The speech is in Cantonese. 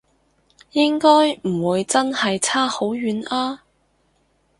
應該唔會真係差好遠啊？